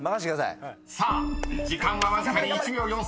［さあ時間はわずかに１秒４３］